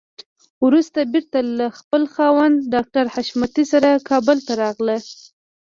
وروسته بېرته له خپل خاوند ډاکټر حشمتي سره کابل ته راغله.